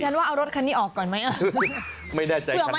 ว่าเอารถคันนี้ออกก่อนไหมไม่แน่ใจคันนี้